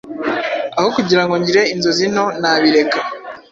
Aho kugirango ngire inzozi nto nabireka